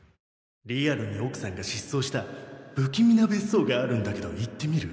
リアルに奥さんが失踪した不気味な別荘があるんだけど行ってみる？